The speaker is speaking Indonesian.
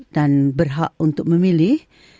dan berhak untuk memilih